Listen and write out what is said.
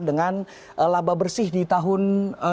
dengan laba bersih di tahun dua ribu delapan belas